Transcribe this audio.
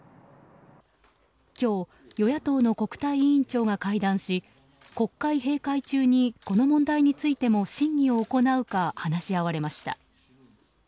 今日与野党の国対委員長が会談し国会閉会中にこの問題についても審議を行うか話し合われました。